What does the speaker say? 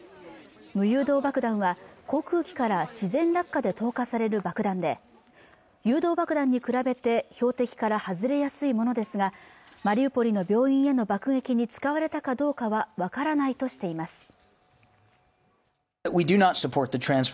無誘導爆弾は航空機から自然落下で投下される爆弾で誘導爆弾に比べて標的から外れやすいものですがマリウポリの病院への爆撃に使われたかどうかは分からないとしています